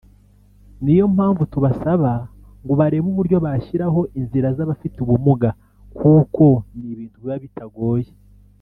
ni yo mpamvu tubasaba ngo barebe uburyo bashyiraho inzira z’abafite ubumuga kuko ni ibintu biba bitagoye